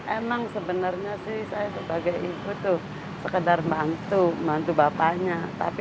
emang sebenarnya sih saya sebagai ibu tuh sekedar bantu bantu bapaknya tapi